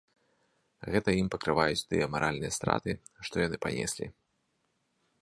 Гэта ім пакрываюць тыя маральныя страты, што яны панеслі.